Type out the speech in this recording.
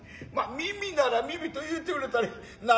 耳なら耳というてくれたらいい。